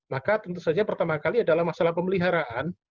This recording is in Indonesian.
maka tentu saja pertama kali adalah masalah pemeliharaan